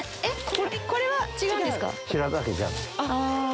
これは違うんですか？